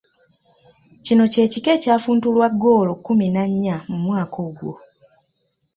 Kino kye kika ekya funtulwa goolo kumi na nnya mu mwaka ogwo.